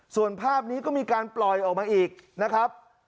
ส่วนภาพนี้ก็มีการปล่อยออกมาอีกนะครับ